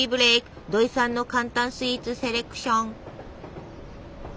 土井さんの簡単スイーツセレクション。